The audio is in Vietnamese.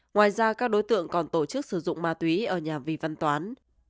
ngoài ra các đối tượng còn tổ chức sử dụng ma túy ở nhà vị văn toán